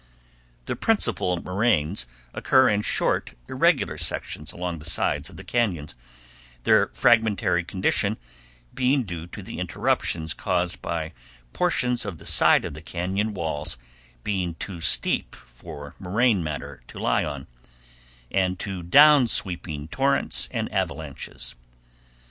The principal moraines occur in short irregular sections along the sides of the cañons, their fragmentary condition being due to interruptions caused by portions of the sides of the cañon walls being too steep for moraine matter to lie on, and to down sweeping torrents and avalanches.